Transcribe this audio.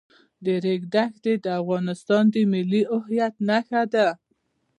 د ریګ دښتې د افغانستان د ملي هویت نښه ده.